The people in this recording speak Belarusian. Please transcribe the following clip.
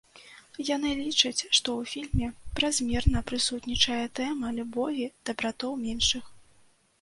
Яны лічаць, што ў фільме празмерна прысутнічае тэма любові да братоў меншых.